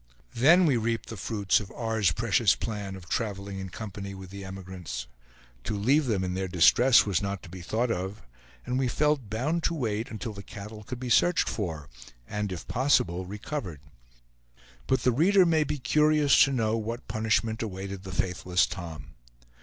Then we reaped the fruits of R.'s precious plan of traveling in company with emigrants. To leave them in their distress was not to be thought of, and we felt bound to wait until the cattle could be searched for, and, if possible, recovered. But the reader may be curious to know what punishment awaited the faithless Tom.